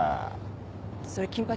それ金八？